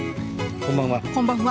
こんばんは。